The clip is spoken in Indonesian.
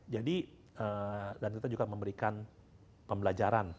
jadi dan kita juga memberikan pembelajaran